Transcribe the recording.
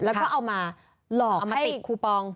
แล้วก็เอามาหลอกเอามาติดคูปอง